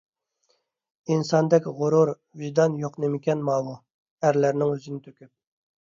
ئىنساندەك غۇرۇر، ۋىجدان يوق نېمىكەن ماۋۇ! ئەرلەرنىڭ يۈزىنى تۆكۈپ.